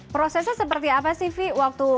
prosesnya seperti apa sih vivi